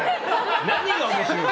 何が面白いんだ。